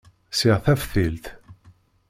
Ssiɣ taftilt.